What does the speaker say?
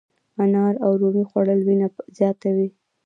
انار او رومي خوړل وینه زیاتوي.